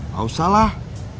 gak usah lah